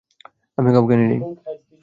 আমি কাউকে আনি নাই।